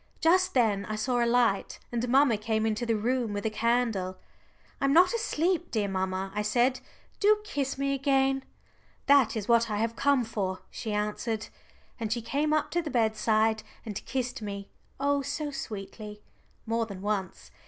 Just then I saw a light, and mamma came into the room with a candle. "I'm not asleep, dear mamma," I said. "Do kiss me again." "That is what I have come for," she answered. And she came up to the bedside and kissed me, oh so sweetly more than once.